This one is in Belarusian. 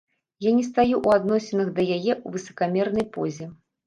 Я не стаю ў адносінах да яе ў высакамернай позе.